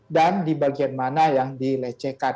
dan di bagian mana yang dilecehkan